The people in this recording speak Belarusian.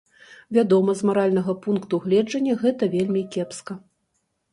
Вядома, з маральнага пункту гледжання гэта вельмі кепска.